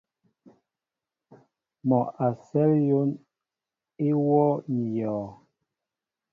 Mɔ a sέl yón í wōō ní yɔɔ.